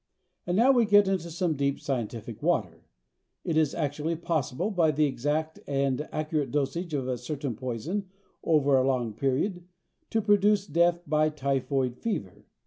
And now we get into some deep scientific water. It is actually possible by the exact and accurate dosage of a certain poison, over a long period, to produce death "by typhoid fever."